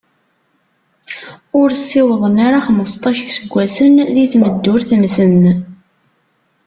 Ur ssiwḍen ara xmesṭac n yiseggasen di tmeddurt-nsen.